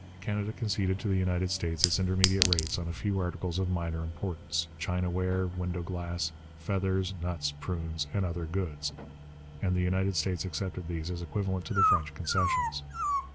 Canada conceded to the United States its intermediate rates on a few articles of minor importance china ware, window glass, feathers, nuts, prunes, and other goods and the United States accepted these as equivalent to the French concessions.